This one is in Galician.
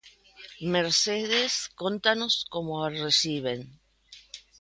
Mercedes, cóntanos como a reciben.